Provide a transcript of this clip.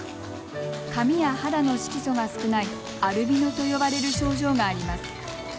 髪や肌の色素が少ないアルビノと呼ばれる症状があります。